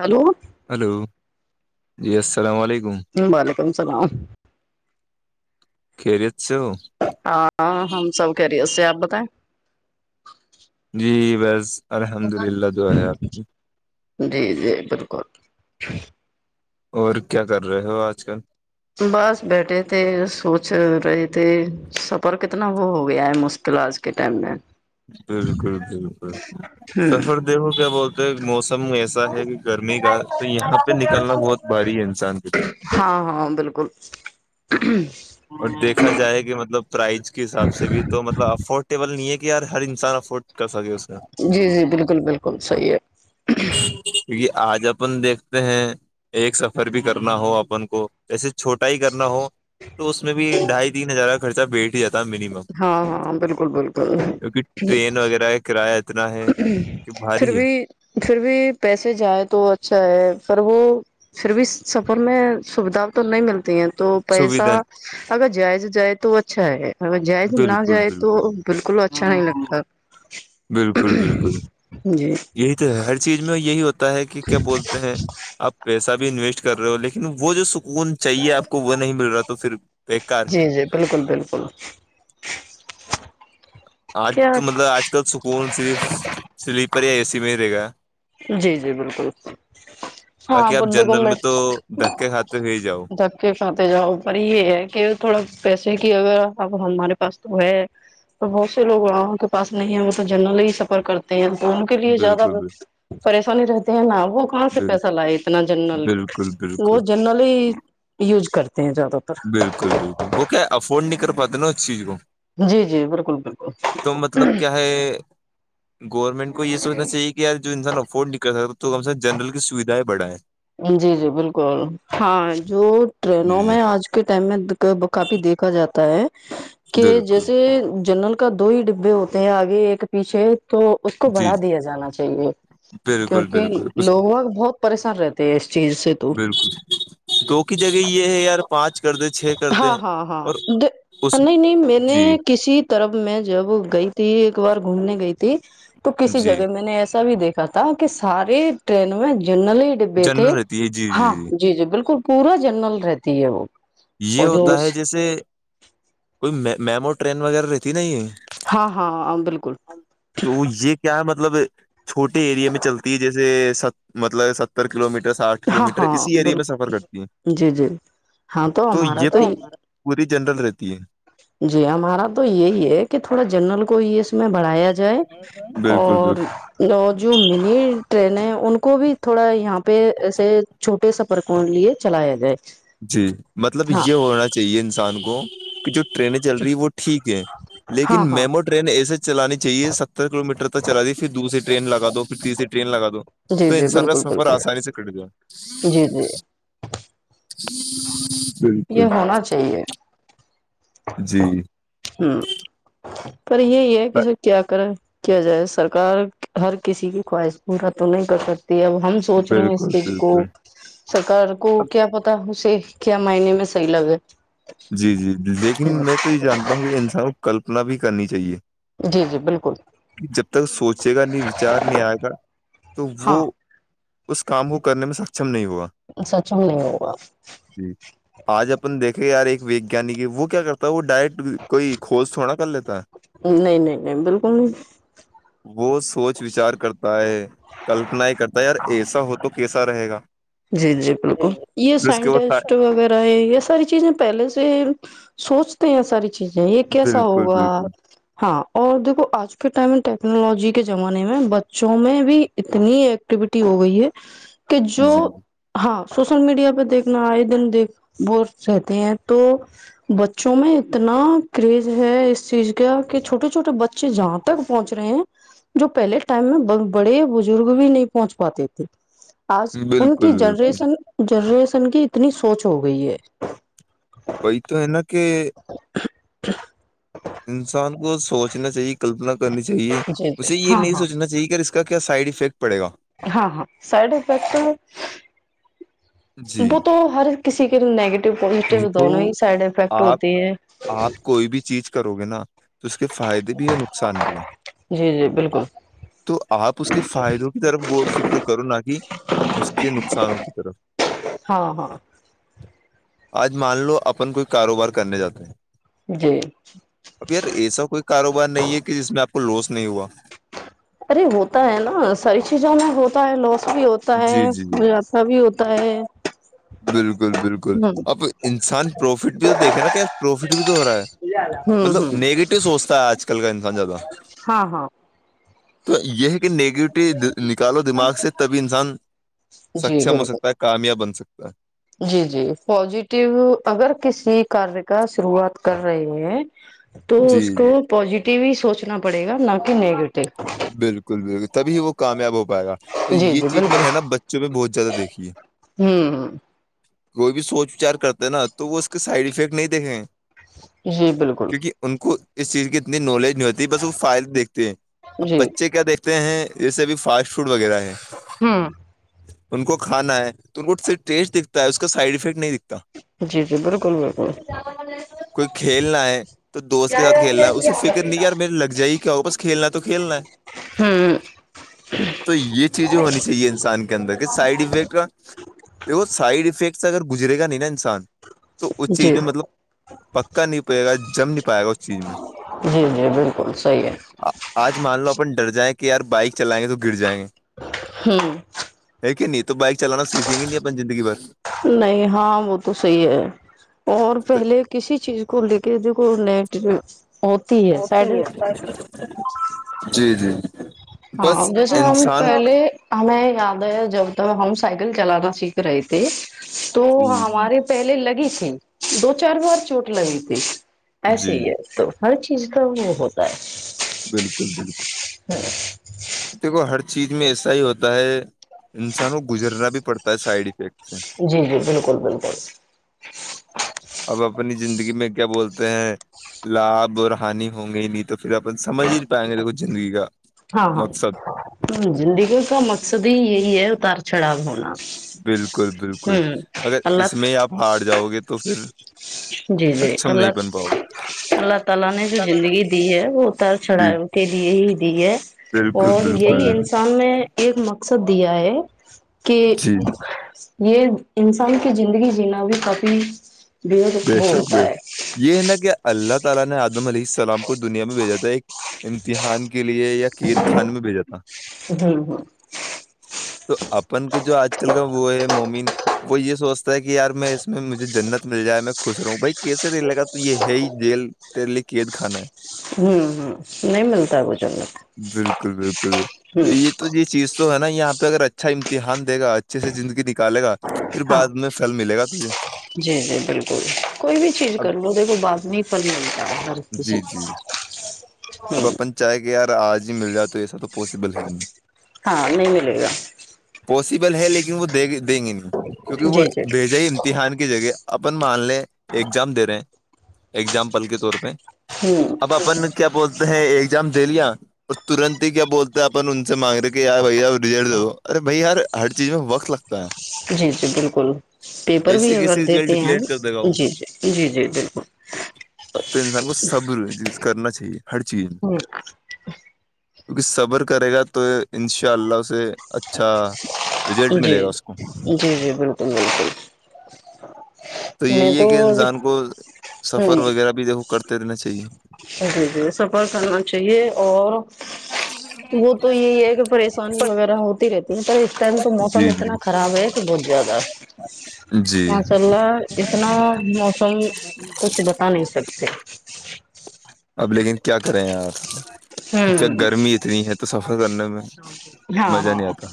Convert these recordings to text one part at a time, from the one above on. Hello hello جی السلام علیکم وعلیکم السلام خیریت سے ہو ہاں ہم سب خیریت سے ہیں اپ بتائیں جی بس الحمدللہ دعا ہے اپ کی جی جی بالکل اور کیا کر رہے ہو آج کل بس بیٹھے تھے سوچ رہے تھے سفر کتنا وہ ہو گیا ہے مشکل آج کے ٹائم میں بالکل بالکل سفر دیکھو کیا موسم م ایسا ہے کہ گرمی کا تو یہاں پہ نکلنا بہت بھاری ہے انسان کے لیے ہاں ہاں بالکل [inaudible] اور دیکھا جائے کہ مطلب پرائز کے حساب سے بھی تو مطلب افورڈبل نہیں ہے کہ کہ یار ہر انسان افورٹ جی جی بالکل بالکل ہم صحیح ہے کیونکہ آج اب [unintelligible] اپن دیکھتے ہیں ایک سفر بھی کرنا ہو اپن کو جیسے چھوٹا ہی کرنا ہو تو اس میں بھی ڈھائی تین ہزار کا خرچہ بیٹھ ہی جاتا ہے منیمم ہاں ہاں بالکل بالکل کیونکہ ٹرین وغیرہ کا کرایہ اتنا ہے کہ پھر بھاری ہے بھی پھر بھی پیسے جائائے تو اچھا ہے پر وہ پھر بھی سفر میں سویدھا تو نہیں ملتی ہیں تو پیسہ سویدھا اگر جائے سے جائے تو اچھا اگر جائے کہ نہ بالکل جائے تو بالکل بالکل اچھا نہیں لگتا بالکل بالکل جی یہی تو ہر چیز میں یہی ہوتا ہے کہ کیا بولتے ہیں آپ پیسہ بھی انویسٹ کرے ہو لیکن وہ جو سکھ اون چاہیے آپ کو وہ نہیں مل رہا تو پھر بیکار ہے جی جی بالکل بالکل آج کیا تو مطلب آج کل سکون صرف صرف پیا سی میریرےا جی جی بالکل ہاں باقی آپ پرد جنرل کووم میں تو دھکے کھاتے ہوئے ہی جاؤ جب کے کھاتے جاؤ پر ہی یہ ہے کہ تھوڑا پیسے کہ اگر اب ہمارے پاس تو ہے تو بہت سے لوگ وہ کے پاس نہیں ہے وہ تو جنرلی ہی سفر کرتے ہیں تو ان کے لیے زیادہ بالکل ب پریشانی رہتے ہیں نا وہ کہاں سے بالکل پیسہ لائے اتنا جنرل بالکل وہ بالکل جنرل ہی یوز کرتے ہیں زیادہ تر بالکل بالکل وہک افورڈ نہیں کر پاتے نا اس چیز کو جی جی بالکل بالکل تو مطلب کیا ہے گورنمنٹ کو یہ سوچنا چاہیے یار جو انسان افورڈ نہیں کر ستا تو کم سےم جنرل کی سویدھائیں بڑھائیں جی جی بالکل ہاں جو جی ٹرینوں جی میں کافی دیکھا جاتا ہے کہ بالکل جیسے جنرل کا دو ہی ڈبے ہوتے ہیں آگے ایک پیچھے تو اس کو جی بڑھا جی دیا جانا چاہیے بالکل کیونکہ بالکل اس لوگ و بہت پریشان رہتے ہیں اس چیز سے تو بالکل توکہ جگہ یہ ہے یار پانچ ہی ہا ہا ہا اس نہیں نہیں میں نے جی کسی طرف میں جب گئی تھی ایک بار گھومنے گئی تھی تو کسی جی جگہ میں نے ایسا بھی دیکھا کہ تھا کہ ساری ٹرین میں جنرل ہی ڈبے تھے جنرل رہتی ہے جی ہاں جی جی بالکل پورا جنرل رہتی ہے وہ یہ اور جو ہوتا ہے جیسے کوئی میمو ٹرین وغیرہ رہ نہیں ہاں ہاں بالکل تو وہ یہ کیا ہے مطلب ملب چھوٹے اریے میں چلتی ہے جیسے مطلب ستر کلو میٹر ساٹھ کلو ہا میٹر ہا اسی ایریے میں بالکل سفر کرتی ہے جی جی ہاں تو ہمارا یہ تو ہی پوری جنرل رہتی ہے جی ہمارا تو یہی ہے کہ تھوڑا جنرل کوئی میں بڑھایا جائے بالکل بالکل اور جو منی ٹرینیں ان کو بھی تھوڑا یہاں پہ ایے چھوٹے سفرک لیے چلایا جائے جی مطلب ہاں یہ ہونا چاہیے انسان کو کہ جو ٹرینیں چل رہی ہے وہ ٹھیک ہے ہاں لیکن ہاں میمو ٹرین ایسے چلانی چاہیے ستر کلو میٹر تک چلا رہی پھر دوسری ٹرین لگا دو پھر تیسری ٹرین لگا دو جی تو جی انسان کا بالکل سفر بالکل آسانی سے کٹ گیا جی جی [inaudible] یہ ہونا چاہیے جی ہممم پر یہی ہے کہ س کیا کرا ہے کیا جائے سرکار ہر کسی کی خواہش پورا تو نہیں کر سکتی اب ہم سوچ رہے ہو اس بالکل چیز کو بالکل سرکار کو کیا پتہ اسے کیا مہینے میں صحیح لگے جی جی جی لیکن میں تو یہ جانتا کہ انسان کو کلپنا بھی کرنی چاہیے جی جی بالکل کہ جب تک سوچے گا نہیں وچار نہیں آئے گا تو وہ ہاں اس کام کو کرنے میں سکچم نہیں ہوگا سچ میں نہیں ہوگا آج اپن دیکھے گا رے ویگ یعنی کہ وہ کیا کرتا ہے وہ ڈائٹ کوئی کھوج تھوڑا کر لیتا ہے نہیں نہیں نہیں بالکل نہیں وہ سوچ وچار کرتا ہے کلپنایں کرتا ہے یار ایسا ہو تو کیسا رہے گا جی جی بالکل یہ پھر اس کے وہ سا- سائنٹسٹ وغیرہ ہے یہ ساری چیزیں پہلے سے سوچتے ہیں ساری چیزیں یہ کیسا بالکل ہوگا بالکل ہاں اور دیکھو آج پھر ٹائم اینڈ ٹیکنالوجی کے زمانے میں بچوں میں بھی اتنی ایکٹیویٹی ہو گئی ہے کہ جو جی ہاں سوشل میڈیا پہ دیکھنا آئے دن دیکھ ب رہتے ہیں تو بچوں میں اتنا کریز ہے اس چیز کا کہ چھوٹے چھوٹے بچے جہاں تک پہنچ رہے ہیں جو پہلے ٹائم میں بڑے بزرگ بھی نہیں پہنچ پاتے تھے پس [inaudible] کی بالکل بالکل جنریشن جو جنریسن کی اتنی سوچ ہو گئی ہے وہئی تو ہے نا کہ [inaudible] انسان کو سوچنا چاہیے کلپنا کرنی چاہیے جی جی مے یہ ہاں نہیں ہاں سوچنا چاہی کہ کیا سائڈ افیکٹ پڑے گا ہاں ہاں سائڈ افیکٹ جی وہ تو ہر کسی کے نگیٹو دیکھو آپ ہیں آپ کوئی بھی چیز کرو گے نا تو اس کے فائدے بھی ہیں نقصان بھی ہے جی جی بالکل تو آپ اس کے فائدوں کی طرف غور فکر کرو نہ کہ اس کے نقصانوں کی طرف ہاں ہاں آج مان لو اپن کوئی کاروبار کرنے جاتے ہیں جی اب یار ایسا کوئی کاروبار نہیں ہے کہ جس میں آپ لوس نہیں ہوا ارے ہوتا ہے نا ساری چیزوں میں ہوتا ہے لوس بھی ہوتا ہے جی جی جی مفا بھی ہوتا تو بالکل بالکل اب انسان پروفٹ بھی تو دیکھے نا کہ پروفٹ بھی تو ہو رہا ہے ہوں مطلب ہ نیگیٹو سوچتا ہے آج کل کل گن زیادہ ہاں ہاں تو یہ ہے کہ نگیٹ نکالو دماغ سے تبھی انسان جی سکچم ہو سکتا ہے بالکل کامیاب بن سکتا [inaudible] جی جی پزیٹیو اگر کسی کاریہ کا شروعات کر رہے ہیں تو ہے جی اس کو جی پازیٹیو ٹی بھی سوچنا پڑے گ نہ کہ نیگیٹو بالکل بالکل بالکل تبھی وہ کامیاب ہو پائے گا اور جی یہ جی چیز میں نے بالکل ہے نا بچوں میں بہت زیادہ دیکھی ہے ہوں ہ کوئی بھی سوچ وچار کرتے نا تو وہ اس کے سائڈ افیکٹ نہیں دیکھیں جی بالکل کیونکہ ان کو اس چیز کی اتنی نالج ہوتی بس وہ فائل دیکتے ہیں اب جی بچے کیا دیکھتے ہیں جیسے بھیھی فاسٹ فوڈ وغیرہ ہے ہاں ان کو کھانا ہے تو ان کو ٹیسٹ دکھتا ہے اس کا سائڈ افیکٹ نہیں دکھتا جی جی بالکل بالکل کوئی کھیلنا ہے تو دوست کے ساتھ کھیلنا ہے اسے فکر نہیں یار میرے لگ جائے کیا ہواپس کھیلنا تو ل ہے ہوں تو یہ چیزیں ہونی چاہیے انسان کے اندر کہ سائڈ افیکٹ کا دیکھ وہ سائڈ افیکٹ سے اگر گزے گا نہیں ن سان تو اس چیز جی میں مطلب پکا نہیں پے گا جم نہیں پائے گا اس چیز میں جی جی بالکل صحیح ہے آج مان لو اپن ڈر جائیں کہ یار بائک چلائیں گے تو گر جائیں گے ہوں نیتی [unintelligible] نہیں ہاں وہ تو صحیح ہے اور تو پہلے کسی چیز کو ل کہ جو کو نٹ جی جی ہاں بس جیسے ہم انسان پہلے ہمیں یاد ہے جب تب ہم سائیکل چلانا سیکھ رہے تھے تو جی ہمارے پہلے لگ گی تھی دو چار بار چوٹ لگی تھی ایسے جی ہی ہے تو ہر چیز کا وہ ہوتا ہے بالکل بالکل دیکھو ہر ہاں چیز میں ایسا ہی ہوتا ہے انسان کو گزرنا بھی پڑتا ہے سائڈ افیکٹ سے جی جی بالکل بالکل اب اپنی زندگی میں کیا بولتے ہیں لابھ اور ہانی ہوں گی ہی نہیں تو پھر آپ ہاں ہاں مقصد زندگی کا مقصد ہی یہی ہے اتار چھڑاؤ ہونا بالکل بالکل ہوں اگر اس اللہ میں آپ ہار جاؤ گے تو پھر جی جی سکچم نہیں بن اللہ پاؤ اللہ تعالی نے جو زندگی دی ہے وہ اتار گے جی چڑھائے کے لیے ہی دی ہے بالکل اور یہی بالکل انسان میں ایک سدیا ہے کہ جی یہ انسان کی زندگی جینا بھی کافی بےحد بے وہ شک ہوتا ب ہے یہ ہے نا کہ اللہ کا ال تعالی نے عدم علیہ السلام کو دنیا میں بھیجا تھا ایک امتحان کے لیے یا قید خان میں بھیجا تھا ہوں ہ تو اپن کا جو آج کا وہ ہے مومن وہ یہ سوچتا ہے کہ یار میں اس میں مجھے جنت میں مل جائے میں خوش رہا ہوں بھائی کیسر لگا تو یہ ہے ہی جیل تیرلیے کیید کانا ہے ہوں ہ نہیں ملتا گ جر میں ہے بالکل بالکل تو ہ یہ تو یہ چیز تو ہے نا یہاں پہ اگر اچھا امتحان دےا اچھے سے زندگی نکالے گا پھر ہاں بعد میں پھل ملے گا تجھے جی جی بالکل کوئی بھی چیز اب کر لو اد کو بعد نہیں پل ملتا اسی جی جی اب اپن چاہ گ یار آج مل جائے تو ایسا تو پاسبل ہے ہی نہیں ہاں نہیں ملے گا پاسبل ہے لیکن وہ دیکھ دیں گے نہیں کیونکہ وہ جی جی بھیجائی امتحان کی جگہ اپن مان ل اگزام دے رہے ہیں اگزامپل کے طور پہ ہوں اب اپن کیا ب ایگزام دے لیا اور ترنت ہی کیا بولتا ہے اپن ان سے مانگ رہے کہ یار بھ ریزلٹ د دو ارے بھائی ار ہر چیز میں وقت لگتا ہے جی جی بالکل پیپر بھی ایسے اگر کیسے ریزلٹ دیتے ہیں ڈکلیئر کر دے گا وہ جی جی جی جی بالکل سب یز کرنا چاہیے ہر چیز کیونکہ صبر کرے گا تو ان شاء اللہ اسے اچھا رزلٹ جی ملے گا اس کو جی جی بالکل بالکل تو میں یہی ہے کہ ہوں انسان کو سفر وغیرہ بھی دیکھو کرتے رہنا چاہیے جی جی سفر کرنا چاہیے اور وہ تو یہی ہے کہ پریشانی وغیرہ ہوتی رہتی م تو اس ٹائم تو موسم جی جی اتنا خراب ہے تو بہت زیادہ ہے جی ماشاء اللہ اتنا موسم کچھ بتا نہیں سکتے اب لیکن کیا کریں ہیں آپ ہ کرنے میں ہاں مزہ ہاں نہیں آتا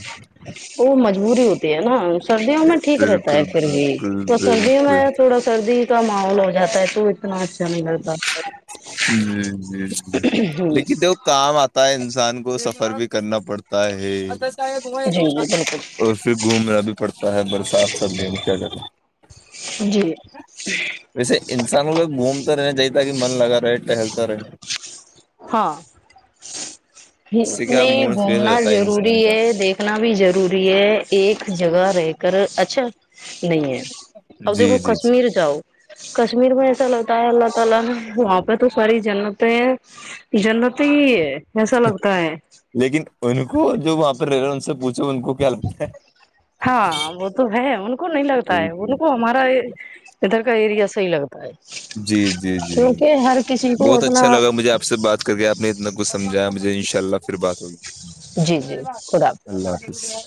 وہ مجبوری ہوتی ہے نا سردیوں میں ٹھیک رہتا ہے بالکل پھر بھی بالکل تو سردیوں بالکل میں تھوڑا سردی کا ماحول ہو جاتا ہے تو ناچ نہیں گتاہ جی جی جی ہ لیکن دیکھو کام آتا ہے انسان کو سفر بھی کرنا پڑتا ہے جی جی بالکل اور پھر گھومنا بھی پڑتا ہے برسات سر د کیاا جی ویسے انسانوں کا گوم رہنے جیتا کہ من لگا رہے ٹہلتا رہے ہاں اس سے کیا میں موڈ فریش ہو گھومنا جاتا ہے ضروری انسان کا ہے دیکھنا بھی ضروری ہے ایک جگہ رہے گ کر اچھا اب جی جی جی کشمیر جا کر دیکھو کشمیر میں اللہ کیسا لگتا ہے۔ و آپس تو ساری جنت ہے جنت ہی ہے ایسا لگتا ہے لیکن ان کو جب آپ پرگگر ان سے پوچا جو ان کو کیا لگتا ہے ہاں وہ تو ہے ان کو نہیں لگتا ہے بالکل ان کو ہمارا ادھر کا ایریا صحیح لگتا ہے جی جی جی جی کیونکہ ہر کسی کو بہت اپنا اچھا لگا جی ان ششء اللہ پھر بات ہوگی جی جی خد حافظ اللہ حافظ